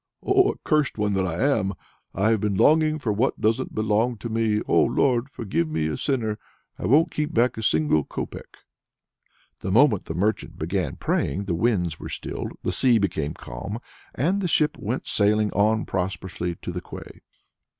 "Ah, accursed one that I am! I've been longing for what doesn't belong to me; O Lord, forgive me a sinner! I won't keep back a single copeck." The moment the merchant began praying the winds were stilled, the sea became calm, and the ship went sailing on prosperously to the quay.